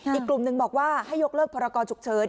อีกกลุ่มหนึ่งบอกว่าให้ยกเลิกพรกรฉุกเฉิน